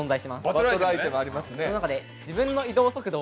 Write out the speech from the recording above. バトルアイテムありますね。